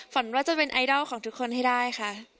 ฝันว่าจะเป็นไอดอลของทุกคนให้ได้ค่ะ